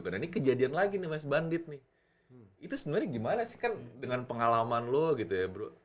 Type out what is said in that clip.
karena ini kejadian lagi nih wes bandit nih itu sebenernya gimana sih kan dengan pengalaman lo gitu ya bro